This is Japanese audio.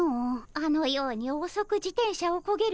あのようにおそく自転車をこげる